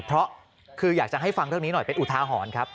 เพราะคืออยากจะให้ฟังเรื่องนี้หน่อยเป็นอุทาหรณ์ครับ